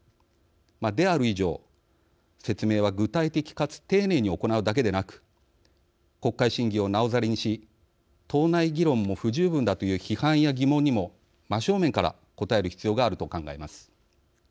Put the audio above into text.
である以上、説明は具体的かつ丁寧に行うだけでなく国会審議をなおざりにし党内論議も不十分だという批判や疑問にも真正面から答える必要があると考えます。